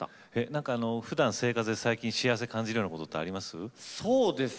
何か生活で幸せ感じるようなことってあります？